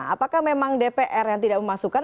apakah memang dpr yang tidak memasukkan